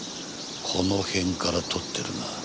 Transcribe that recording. この辺から撮ってるな。